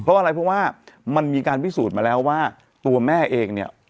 เพราะอะไรเพราะว่ามันมีการพิสูจน์มาแล้วว่าตัวแม่เองเนี่ย